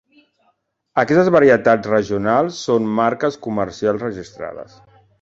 Aquestes varietats regionals són marques comercials registrades.